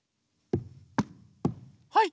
はい！